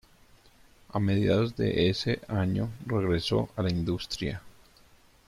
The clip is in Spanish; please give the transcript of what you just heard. A mediados de ese año regresó a la industria.